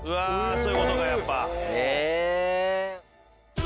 そういうことかやっぱ。